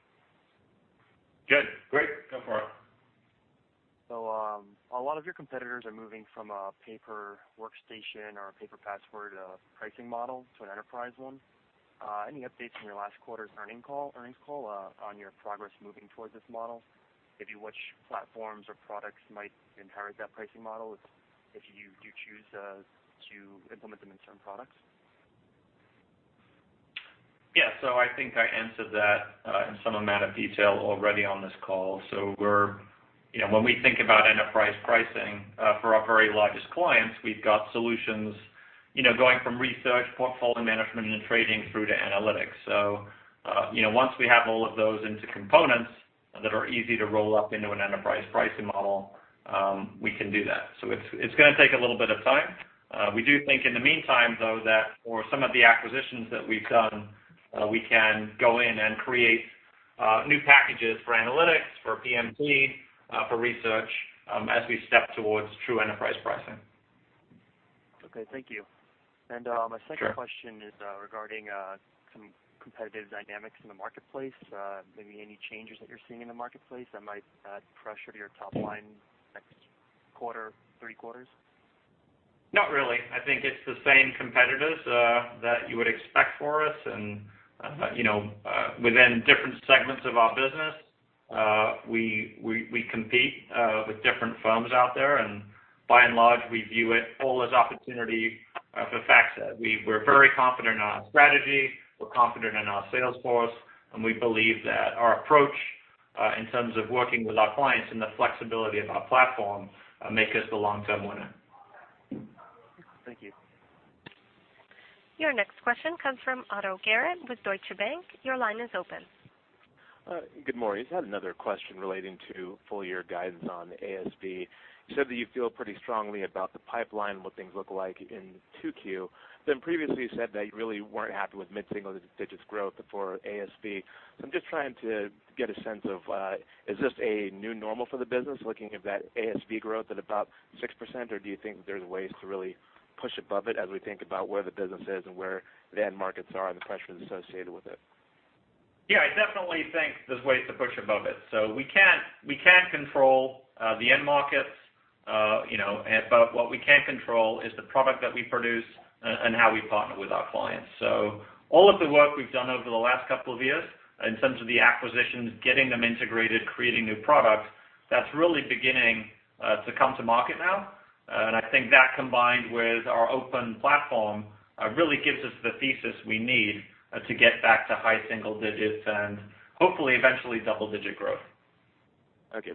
Good. Great. Go for it. A lot of your competitors are moving from a pay per workstation or a pay per password pricing model to an enterprise one. Any updates from your last quarter's earnings call on your progress moving towards this model? Maybe which platforms or products might inherit that pricing model if you do choose to implement them in certain products? Yeah. I think I answered that in some amount of detail already on this call. When we think about enterprise pricing for our very largest clients, we've got solutions going from research, portfolio management, and trading through to analytics. Once we have all of those into components that are easy to roll up into an enterprise pricing model, we can do that. It's gonna take a little bit of time. We do think in the meantime, though, that for some of the acquisitions that we've done, we can go in and create new packages for analytics, for PMC, for research, as we step towards true enterprise pricing. Okay, thank you. My second question is regarding some competitive dynamics in the marketplace. Maybe any changes that you're seeing in the marketplace that might add pressure to your top line next quarter, three quarters? Not really. I think it's the same competitors that you would expect for us, within different segments of our business. We compete with different firms out there, by and large, we view it all as opportunity for FactSet. We're very confident in our strategy, we're confident in our sales force, we believe that our approach, in terms of working with our clients and the flexibility of our platform, make us the long-term winner. Thank you. Your next question comes from Ato Garrett with Deutsche Bank. Your line is open. Good morning. Just had another question relating to full year guidance on ASV. You said that you feel pretty strongly about the pipeline, what things look like in 2Q. Previously, you said that you really weren't happy with mid-single digits growth for ASV. I'm just trying to get a sense of, is this a new normal for the business, looking at that ASV growth at about 6%? Do you think there's ways to really push above it as we think about where the business is and where the end markets are and the pressures associated with it? Yeah, I definitely think there's ways to push above it. We can't control the end markets. What we can control is the product that we produce and how we partner with our clients. All of the work we've done over the last couple of years in terms of the acquisitions, getting them integrated, creating new products, that's really beginning to come to market now. I think that combined with our open platform really gives us the thesis we need to get back to high single digits and hopefully eventually double-digit growth. Okay.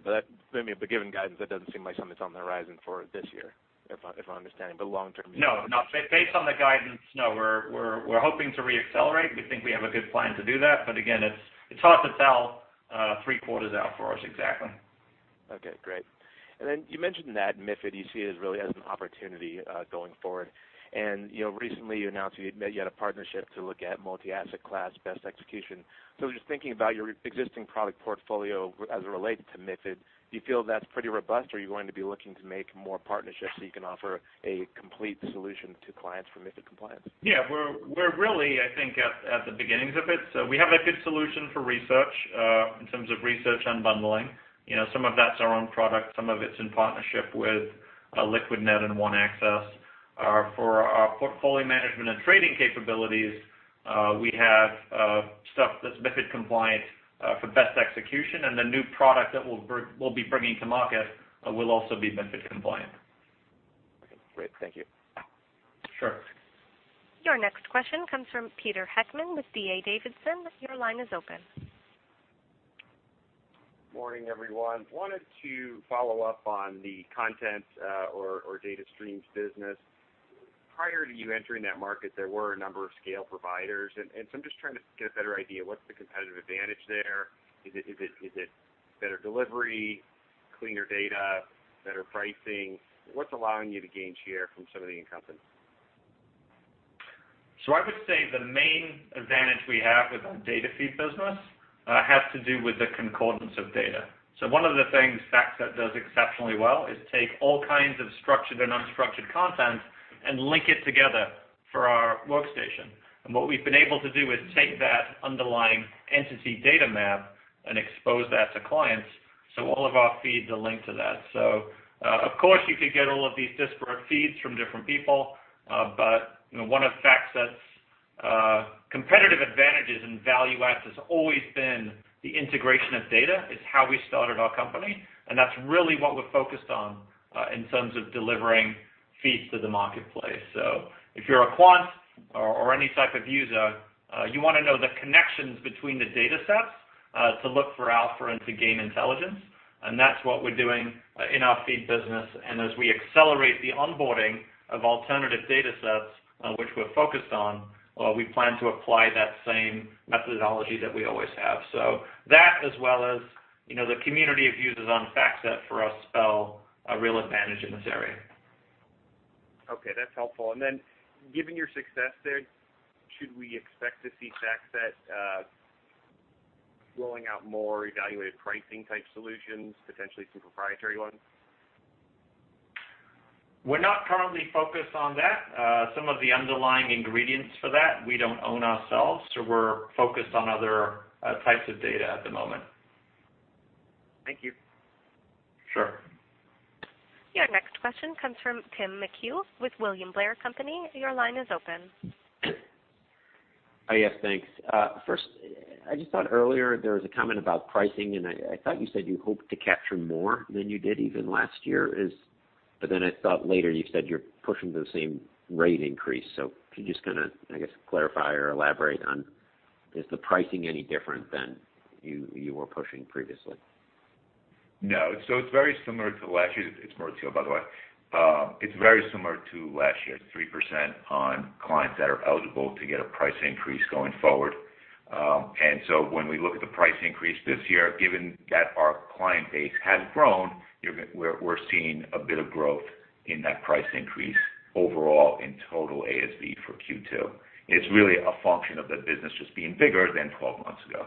Given guidance, that doesn't seem like something's on the horizon for this year, if I understand. Long term, you- No. Based on the guidance, no. We're hoping to re-accelerate. We think we have a good plan to do that. Again, it's hard to tell three quarters out for us exactly. Okay, great. Then you mentioned that MiFID you see as really as an opportunity going forward. Recently you announced you had a partnership to look at multi-asset class best execution. Just thinking about your existing product portfolio as it relates to MiFID, do you feel that's pretty robust? Are you going to be looking to make more partnerships so you can offer a complete solution to clients for MiFID compliance? Yeah. We're really, I think, at the beginnings of it. We have a good solution for research in terms of research unbundling. Some of that's our own product, some of it's in partnership with Liquidnet and ONEaccess. For our portfolio management and trading capabilities, we have stuff that's MiFID compliant for best execution, and the new product that we'll be bringing to market will also be MiFID compliant. Okay, great. Thank you. Sure. Your next question comes from Peter Heckmann with D.A. Davidson. Your line is open. Morning, everyone. Wanted to follow up on the content, or data streams business. Prior to you entering that market, there were a number of scale providers, and so I'm just trying to get a better idea, what's the competitive advantage there? Is it better delivery, cleaner data, better pricing? What's allowing you to gain share from some of the incumbents? I would say the main advantage we have with our data feed business has to do with the concordance of data. One of the things FactSet does exceptionally well is take all kinds of structured and unstructured content and link it together for our workstation. What we've been able to do is take that underlying entity data map and expose that to clients. All of our feeds are linked to that. Of course, you could get all of these disparate feeds from different people. One of FactSet's competitive advantages and value adds has always been the integration of data. It's how we started our company, and that's really what we're focused on in terms of delivering feeds to the marketplace. If you're a quant or any type of user, you want to know the connections between the datasets to look for alpha and to gain intelligence. That's what we're doing in our feed business. As we accelerate the onboarding of alternative datasets, which we're focused on, we plan to apply that same methodology that we always have. That as well as the community of users on FactSet for us spell a real advantage in this area. Okay, that's helpful. Given your success there, should we expect to see FactSet rolling out more evaluated pricing type solutions, potentially some proprietary ones? We're not currently focused on that. Some of the underlying ingredients for that we don't own ourselves, so we're focused on other types of data at the moment. Thank you. Sure. Your next question comes from Tim McHugh with William Blair & Company. Your line is open. Yes, thanks. First, I just thought earlier there was a comment about pricing, and I thought you said you hoped to capture more than you did even last year. I thought later you said you're pushing the same rate increase. If you just going to, I guess, clarify or elaborate on, is the pricing any different than you were pushing previously? No. It's very similar to last year. It's Maurizio, by the way. It's very similar to last year, 3% on clients that are eligible to get a price increase going forward. When we look at the price increase this year, given that our client base has grown, we're seeing a bit of growth in that price increase overall in total ASV for Q2. It's really a function of the business just being bigger than 12 months ago.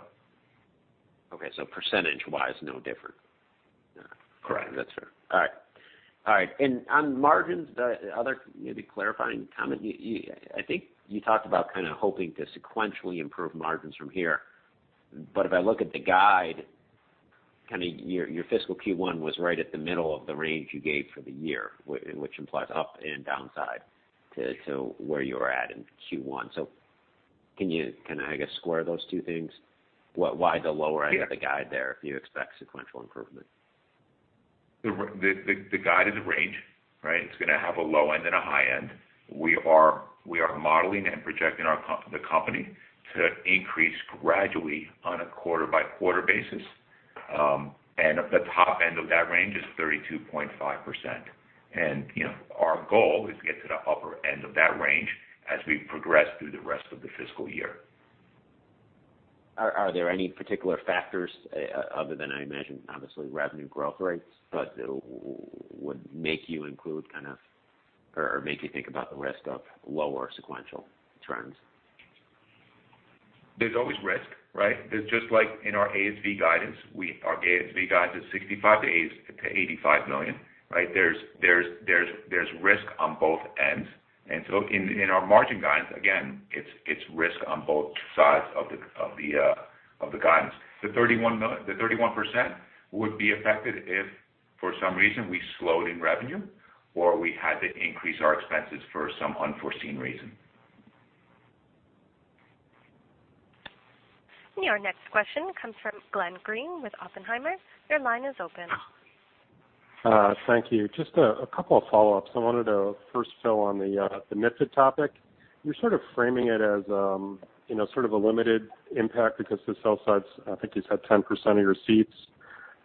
Okay. Percentage-wise, no different? Correct. That's fair. All right. On margins, the other maybe clarifying comment, I think you talked about kind of hoping to sequentially improve margins from here. If I look at the guide, kind of your fiscal Q1 was right at the middle of the range you gave for the year, which implies up and downside to where you were at in Q1. Can I guess, square those two things? Why the lower end- Yes of the guide there if you expect sequential improvement? The guide is a range, right? It's going to have a low end and a high end. We are modeling and projecting the company to increase gradually on a quarter-by-quarter basis. At the top end of that range is 32.5%. Our goal is to get to the upper end of that range as we progress through the rest of the fiscal year. Are there any particular factors other than, I imagine, obviously, revenue growth rates, but would make you think about the risk of lower sequential trends? There's always risk, right? Just like in our ASV guidance, our ASV guidance is $65 million-$85 million. There's risk on both ends. In our margin guidance, again, it's risk on both sides of the guidance. The 31% would be affected if, for some reason, we slowed in revenue, or we had to increase our expenses for some unforeseen reason. Your next question comes from Glenn Greene with Oppenheimer. Your line is open. Thank you. Just a couple of follow-ups. I wanted to first, Phil, on the MiFID topic. You're sort of framing it as sort of a limited impact because the sell side, I think you said, 10% of your seats.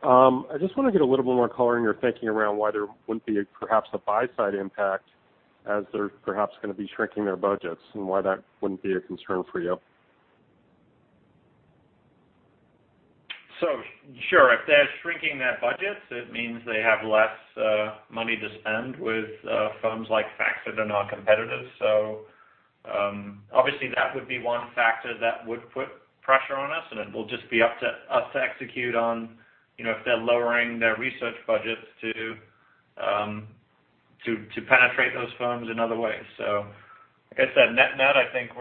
I just want to get a little bit more color in your thinking around why there wouldn't be perhaps a buy side impact as they're perhaps going to be shrinking their budgets and why that wouldn't be a concern for you. Sure. If they're shrinking their budgets, it means they have less money to spend with firms like FactSet that are non-competitive. Obviously that would be one factor that would put pressure on us, and it will just be up to us to execute on if they're lowering their research budgets to penetrate those firms in other ways. Like I said, net net, I think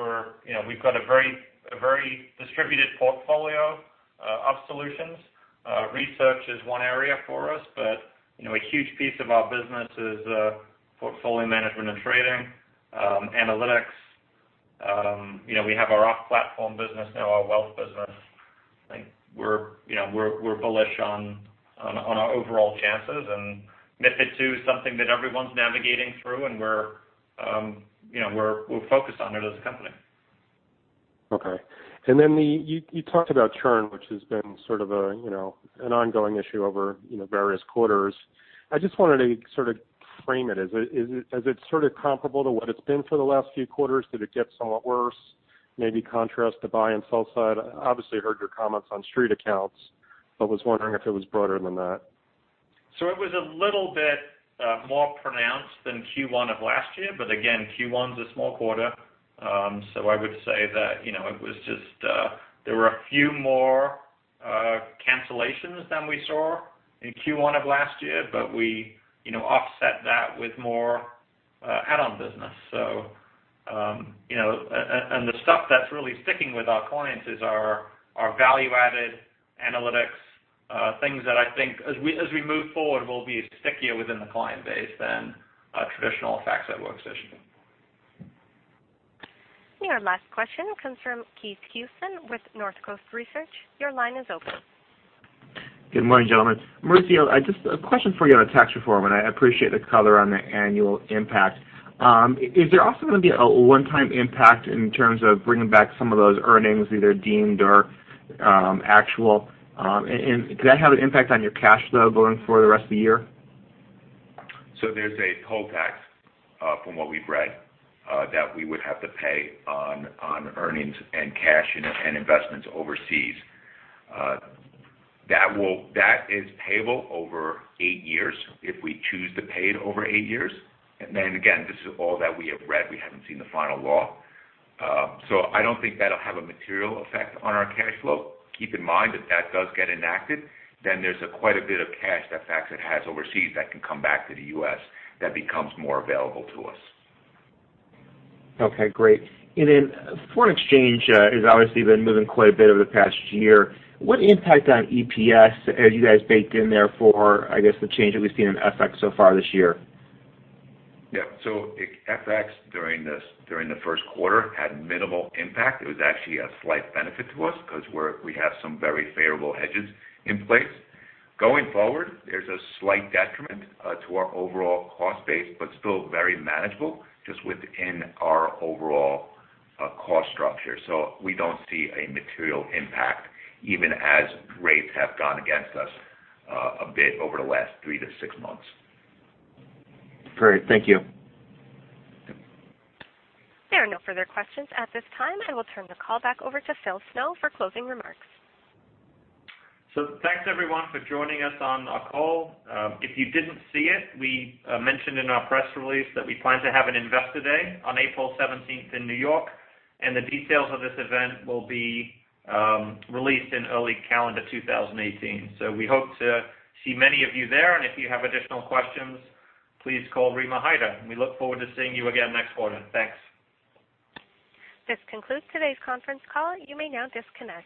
we've got a very distributed portfolio of solutions. Research is one area for us, but a huge piece of our business is portfolio management and trading, analytics. We have our off-platform business now, our wealth business. I think we're bullish on our overall chances, and MiFID II something that everyone's navigating through, and we're focused on it as a company. Okay. You talked about churn, which has been sort of an ongoing issue over various quarters. I just wanted to sort of frame it. Is it sort of comparable to what it's been for the last few quarters? Did it get somewhat worse, maybe contrast the buy and sell side? I obviously heard your comments on StreetAccount, but was wondering if it was broader than that. It was a little bit more pronounced than Q1 of last year, but again, Q1's a small quarter. I would say that there were a few more cancellations than we saw in Q1 of last year, but we offset that with more add-on business. The stuff that's really sticking with our clients is our value-added analytics things that I think as we move forward, will be stickier within the client base than traditional FactSet Workstation. Your last question comes from Keith Housum with Northcoast Research. Your line is open. Good morning, gentlemen. Maurizio, just a question for you on tax reform, and I appreciate the color on the annual impact. Is there also going to be a one-time impact in terms of bringing back some of those earnings, either deemed or actual? Could that have an impact on your cash flow going for the rest of the year? There's a toll tax, from what we've read that we would have to pay on earnings and cash and investments overseas. That is payable over eight years if we choose to pay it over eight years. Again, this is all that we have read. We haven't seen the final law. I don't think that'll have a material effect on our cash flow. Keep in mind, if that does get enacted, there's quite a bit of cash that FactSet has overseas that can come back to the U.S. that becomes more available to us. Okay, great. Foreign exchange has obviously been moving quite a bit over the past year. What impact on EPS have you guys baked in there for, I guess, the change that we've seen in FX so far this year? Yeah. FX during the first quarter had minimal impact. It was actually a slight benefit to us because we have some very favorable hedges in place. Going forward, there's a slight detriment to our overall cost base, but still very manageable just within our overall cost structure. We don't see a material impact even as rates have gone against us a bit over the last three to six months. Great. Thank you. There are no further questions at this time. I will turn the call back over to Philip Snow for closing remarks. Thanks everyone for joining us on our call. If you didn't see it, we mentioned in our press release that we plan to have an investor day on April 17th in New York, and the details of this event will be released in early calendar 2018. We hope to see many of you there. If you have additional questions, please call Rima Hyder. We look forward to seeing you again next quarter. Thanks. This concludes today's conference call. You may now disconnect.